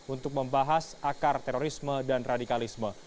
untuk membahas akar terorisme dan radikalisme